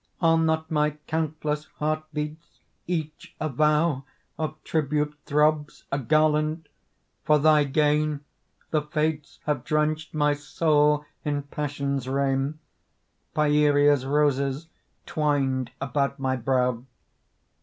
Are not my countless heart beats each a vow, Of tribute throbs a garland? For thy gain The Fates have drenched my soul in passion's rain, Pieria's roses twined about my brow.